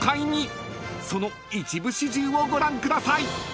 ［その一部始終をご覧ください］